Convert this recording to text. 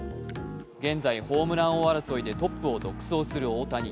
現在、ホームラン王争いでトップを独走する大谷。